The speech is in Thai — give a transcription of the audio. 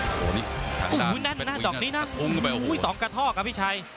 โอ้โหนี่ทางด้านเพชรหวยหญิงนี่กระทุ้งเข้าไปโอ้โหสองกระทอกอ่ะพี่ชัย